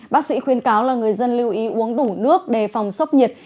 bác sĩ khuyên cáo là người dân lưu ý uống đủ nước để phòng sốc nhiệt